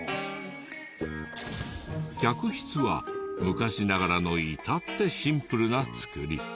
客室は昔ながらの至ってシンプルな造り。